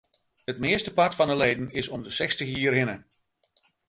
It meastepart fan de leden is om de sechstich jier hinne.